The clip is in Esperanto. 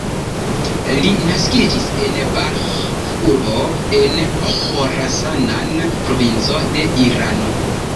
Li naskiĝis en Balĥ-urbo en Ĥorasan-provinco de Irano.